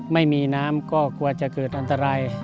ไม่มีน้ำก็กลัวจะเกิดอันตราย